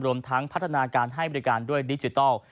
รวมทั้งพัฒนาการให้บริการด้วยดิจิทัล